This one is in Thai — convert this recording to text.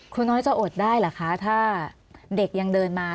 น้อยจะอดได้เหรอคะถ้าเด็กยังเดินมา